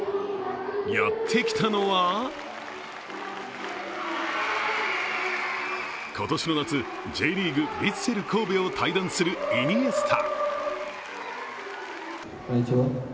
やって来たのは今年の夏、Ｊリーグ・ヴィッセル神戸を退団するイニエスタ。